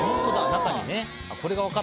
中にね。